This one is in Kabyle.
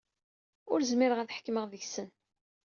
Ur zmireɣ ad ḥekmeɣ deg-sen.